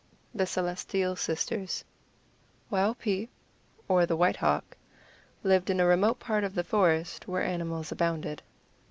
THE CELESTIAL SISTERS |WAUPEE, or the White Hawk, lived in a remote part of the forest, where animals abounded.